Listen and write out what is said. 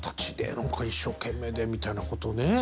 「何か一生懸命で」みたいなことをね